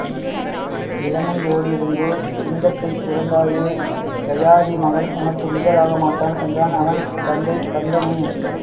இளமையோடிருந்து இன்பத்தைத்துறந்தாயே யயாதி மகன் உனக்கு நிகர் ஆக மாட்டான் என்றான் அவன் தந்தை சந்தனு.